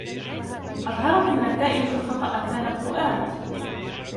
أظهرت النتائجُ خطأ التنبؤات.